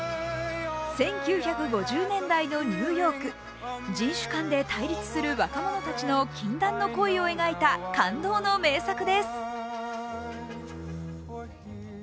１９５０年代のニューヨーク、人種間で対立する若者たちの禁断の恋を描いた感動の名作です。